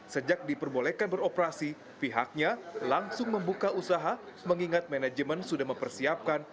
sejak diperbolehkan beroperasi pihaknya langsung membuka usaha mengingat manajemen sudah mempersiapkan